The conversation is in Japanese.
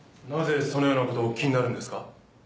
なぜそのようなことをお聞きになるんですか？